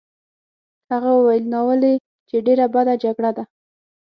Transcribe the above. هغه وویل: ناولې! چې ډېره بده جګړه ده.